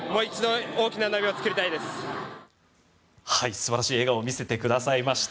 素晴らしい笑顔を見せてくださいました。